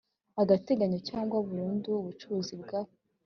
agateganyo cyangwa burundu ubucuruzi bwa